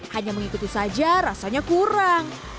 hanya mengikuti saja rasanya kurang